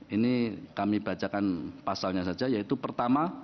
ini kami bacakan pasalnya saja yaitu pertama